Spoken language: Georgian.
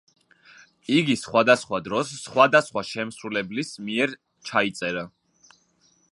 იგი სხვადასხვა დროს სხვადასხვა შემსრულებლის მიერ ჩაიწერა.